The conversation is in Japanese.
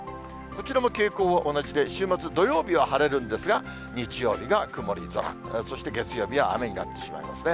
こちらも傾向が同じで、週末、土曜日は晴れるんですが、日曜日が曇り空、そして月曜日は雨になってしまいますね。